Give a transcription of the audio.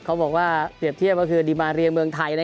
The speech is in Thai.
เค้าบอกว่าเหลียบเทียบ